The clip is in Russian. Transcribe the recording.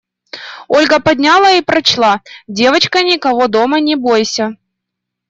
Ольга подняла и прочла: «Девочка, никого дома не бойся.